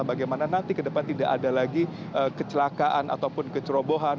bagaimana nanti ke depan tidak ada lagi kecelakaan ataupun kecerobohan